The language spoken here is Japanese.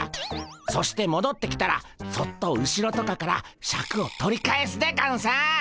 そしてもどってきたらそっと後ろとかからシャクを取り返すでゴンス。